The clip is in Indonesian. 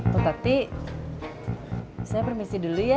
tetapi saya permisi dulu ya